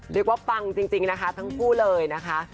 เรียกว่าปังจริงนะคะทั้งกู้เลยนะคะ